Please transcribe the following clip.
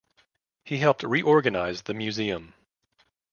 He helped reorganize the museum.